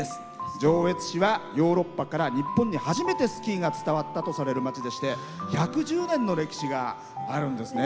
上越市はヨーロッパから日本に初めてスキーが伝わったとされる町でして１１０年の歴史があるんですね。